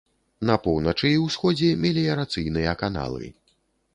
На поўначы і ўсходзе меліярацыйныя каналы.